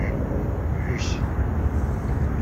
Uix!